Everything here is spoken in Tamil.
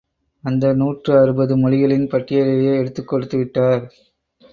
அந்த நூற்று அறுபது மொழிகளின் பட்டியலையே எடுத்துக் கொடுத்துவிட்டார்.